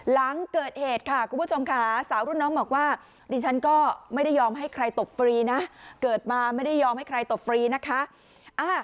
หลังเกิดเหตุค่ะคุณผู้ชมค่ะสาวรุ่นน้องบอกว่าดิฉันก็ไม่ได้ยอมให้ใครตบฟรีนะเกิดมาไม่ได้ยอมให้ใครตบฟรีนะคะ